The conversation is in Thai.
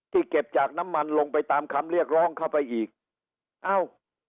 เก็บจากน้ำมันลงไปตามคำเรียกร้องเข้าไปอีกเอ้า